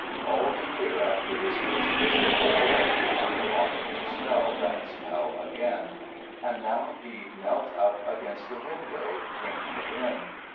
All the year after his first visit, Jeremy had been longing to smell that smell again, and now he knelt up against the window, drinking it in.